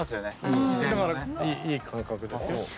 いい感覚ですよ。